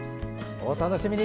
お楽しみに。